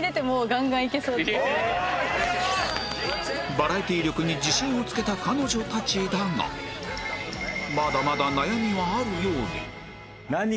バラエティ力に自信をつけた彼女たちだがまだまだ悩みはあるようで